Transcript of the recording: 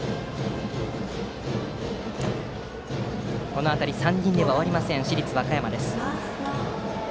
この辺り、３人では終わらない市立和歌山です。